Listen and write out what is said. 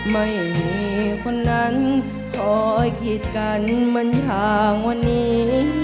ไม่มีคนนั้นคอยคิดกันมันห่างวันนี้